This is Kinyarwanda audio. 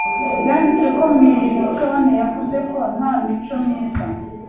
yanditse ko Milton "yavuze ko nta mico myiza